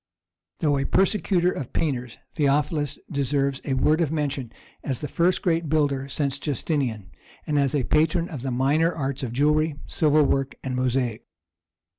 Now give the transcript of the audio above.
Though a persecutor of painters, Theophilus deserves a word of mention as the first great builder since Justinian, and as a patron of the minor arts of jewellery, silver work, and mosaic.